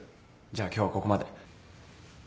じゃあ今日はここまで。